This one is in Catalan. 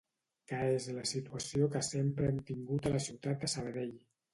Que és la situació que sempre hem tingut a la ciutat de Sabadell